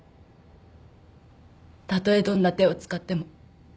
たとえどんな手を使っても。